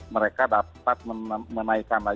mereka dapat menaikkan